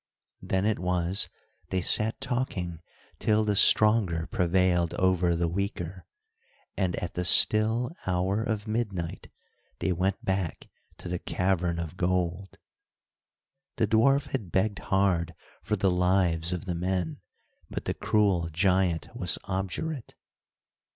Then it was they sat talking till the stronger prevailed over the weaker, and, at the still hour of midnight, they went back to the cavern of gold. The dwarf had begged hard for the lives of the men, but the cruel giant was obdurate.